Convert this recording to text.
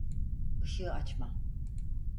Işığı açma.